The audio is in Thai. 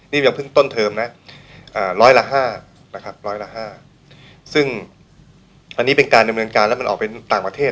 นี่ยังเพิ่งต้นเทอมนะ๑๐๐ละ๕ซึ่งอันนี้เป็นการดำเนินการและมันออกไปต่างประเทศ